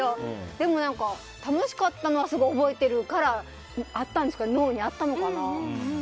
でも楽しかったのはすごい覚えてるから脳にあったのかな？